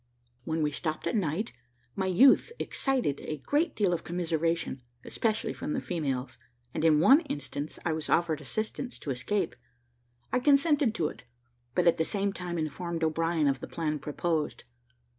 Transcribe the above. When we stopped at night, my youth excited a great deal of commiseration, especially from the females; and in one instance I was offered assistance to escape. I consented to it, but at the same time informed O'Brien of the plan proposed.